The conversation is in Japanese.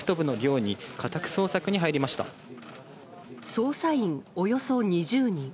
捜査員およそ２０人。